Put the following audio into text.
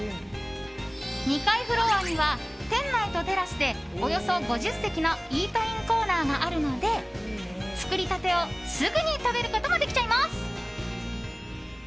２階フロアには、店内とテラスでおよそ５０席のイートインコーナーがあるので作りたてをすぐに食べることもできちゃいます。